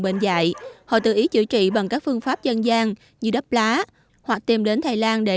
bệnh dạy họ tự ý chữa trị bằng các phương pháp dân gian như đắp lá hoặc tiêm đến thái lan để